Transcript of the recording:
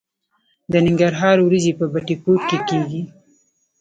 د ننګرهار وریجې په بټي کوټ کې کیږي.